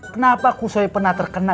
kenapa kusui pernah terkena